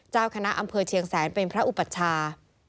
เจ้าคณะอำเภอเชียงแสนเป็นพระอุปัชชา